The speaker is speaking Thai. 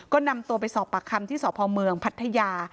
ก็นำตัวไปสอบปากคำที่สพเมืองพัทยา